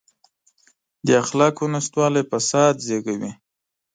د اخلاقو نشتوالی فساد زېږوي.